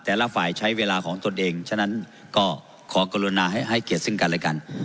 แต่ละฝ่ายใช้เวลาของตนเองฉะนั้นก็ขอกรุณาให้เกียรติซึ่งกันและกัน